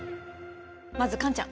まずカンちゃん。